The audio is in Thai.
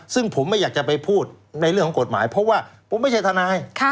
ซึ่งผมไม่อยากจะไปพูดในเรื่องของกฎหมายเพราะว่าผมไม่ใช่ทนาย